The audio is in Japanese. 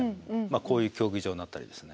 こういう競技場になったりですね